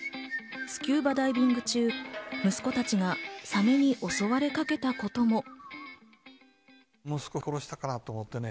スキューバダイビング中、息子たちがサメに襲われかけたことも。